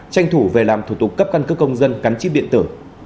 tranh thủ về làm thủ tục cấp căn cước công dân cắn chít điện tử